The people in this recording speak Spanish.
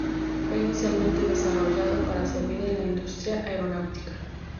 Fue inicialmente desarrollado para servir en la industria aeronáutica.